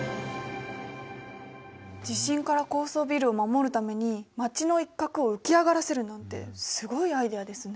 地震から高層ビルを守るために街の一角を浮き上がらせるなんてすごいアイデアですね。